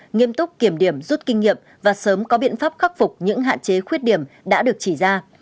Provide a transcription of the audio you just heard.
nghiêm túc kiểm điểm rút kinh nghiệm và sớm có biện pháp khắc phục những hạn chế khuyết điểm đã được chỉ ra